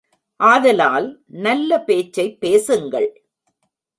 ஆதலால் நல்ல பேச்சைப் பேசுங்கள்.